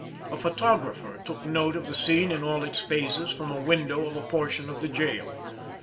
A photographer took note of the scene in all its phases, from a window of a portion of the jail.